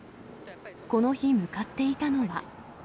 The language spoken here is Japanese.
この日、向かっていたのは。